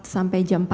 sampai jam empat